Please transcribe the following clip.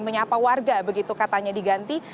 menyapa warga begitu katanya diganti